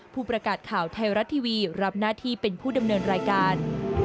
ผู้ประกาศข่าวไทยรัฐทีวีรับหน้าที่เป็นผู้ดำเนินรายการ